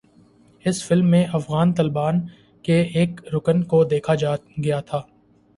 اس film میں افغان طالبان کے ایک رکن کو دکھایا گیا تھا